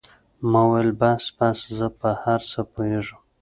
ما وويل بس بس زه په هر څه پوهېږم.